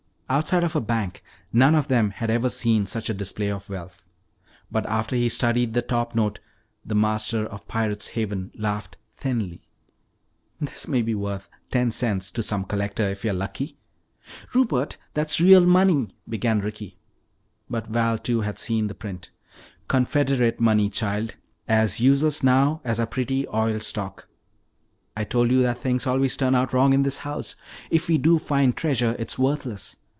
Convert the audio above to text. Outside of a bank none of them had ever seen such a display of wealth. But after he studied the top note, the master of Pirate's Haven laughed thinly. "This may be worth ten cents to some collector if we're lucky " "Rupert! That's real money," began Ricky. But Val, too, had seen the print. "Confederate money, child. As useless now as our pretty oil stock. I told you that things always turn out wrong in this house. If we do find treasure, it's worthless.